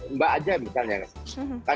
mbak aja misalnya